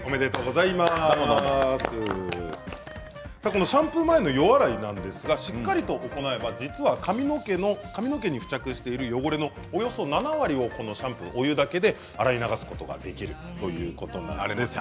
このシャンプー前の予洗いなんですがしっかりと行えば実は髪の毛に付着している汚れのおよそ７割をシャンプーお湯だけで洗い流すことができるということなんです。